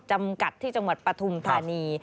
จำกัดที่จังหวัดปฐุมธานี